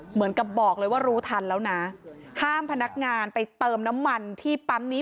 เหมือนกับบอกเลยว่ารู้ทันแล้วนะห้ามพนักงานไปเติมน้ำมันที่ปั๊มนี้